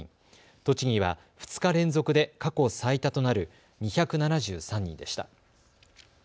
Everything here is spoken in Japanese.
栃木は２日連続で過去最多となる２７３人でした。